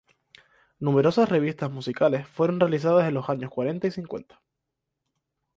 Numerosas revistas musicales fueron realizadas en los años cuarenta y cincuenta.